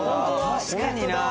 確かにな。